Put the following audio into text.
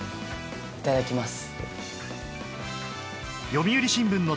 いただきます。